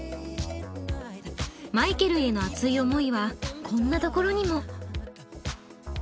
マイケルへの熱い思いはこんなところにも。